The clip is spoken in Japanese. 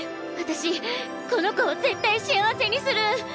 私この子を絶対幸せにする。